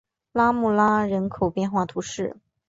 拉穆拉人口变化图示